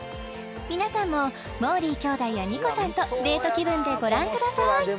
皆さんももーりー兄弟やＮＩＣＯさんとデート気分でご覧ください